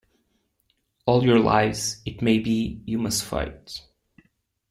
All your lives, it may be, you must fight.